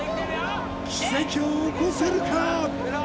奇跡を起こせるか！？